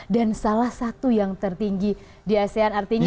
dan salah satu yang tertinggi di asean artinya